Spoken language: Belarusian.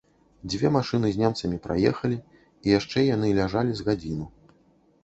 Дзве машыны з немцамі праехалі, і яшчэ яны ляжалі з гадзіну.